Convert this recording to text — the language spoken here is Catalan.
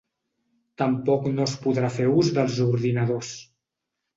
Tampoc no es podrà fer ús dels ordinadors.